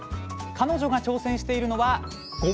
彼女が挑戦しているのはさあ